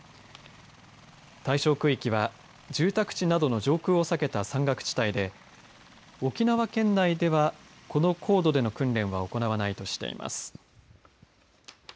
対象区域は住宅地などの上空を避けた山岳地帯で沖縄県内ではこの高度での訓練は行わないとしています。